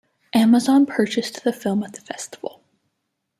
Amazon purchased the film at the festival.